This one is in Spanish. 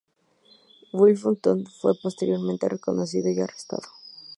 Wolfe Tone fue posteriormente reconocido y arrestado.